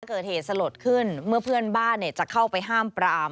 เกิดเหตุสลดขึ้นเมื่อเพื่อนบ้านจะเข้าไปห้ามปราม